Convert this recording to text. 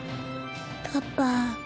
パパ。